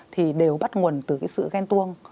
thì đều bắt nguồn từ cái sự ghen tuông